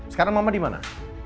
sekarang mama dimana